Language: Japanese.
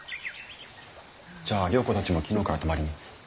じゃあ良子たちも昨日から泊まりに。